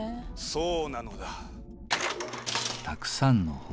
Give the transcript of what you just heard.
そうなのだ。